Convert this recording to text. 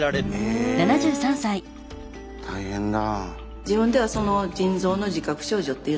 え大変だ。